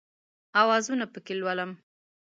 اوازونه پکښې لولم